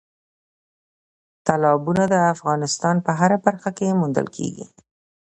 تالابونه د افغانستان په هره برخه کې موندل کېږي.